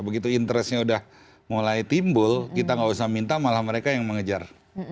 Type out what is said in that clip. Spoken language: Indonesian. begitu interestnya udah mulai timbul kita nggak usah minta malah mereka yang mengejar